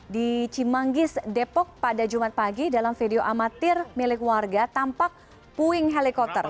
di cimanggis depok pada jumat pagi dalam video amatir milik warga tampak puing helikopter